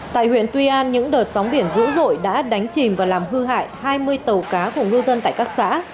tại huyện tuy an những đợt sóng biển dữ dội đã đánh chìm và làm hư hại hai mươi tàu cá của ngư dân tại các xã